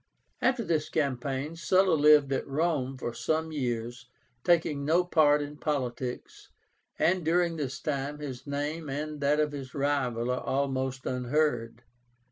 After this campaign Sulla lived at Rome for some years, taking no part in politics, and during this time his name and that of his rival are almost unheard.